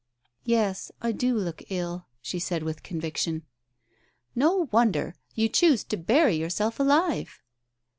"Yes, I do look ill," she said with conviction. " No wonder. You choose to bury yourself alive."